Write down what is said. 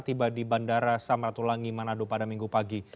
tiba di bandara samratulangi manado pada minggu pagi